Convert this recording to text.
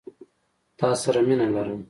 تا سره مينه لرم.